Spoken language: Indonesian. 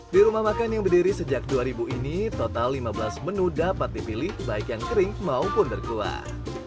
di rumah makan yang berdiri sejak dua ribu ini total lima belas menu dapat dipilih baik yang kering maupun berkuah